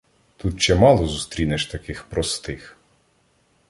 Тут чимало зустрінеш таких "простих".